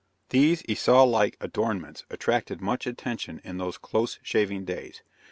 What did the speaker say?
These Esau like adornments attracted much attention in those close shaving days.